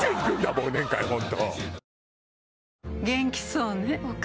忘年会本当。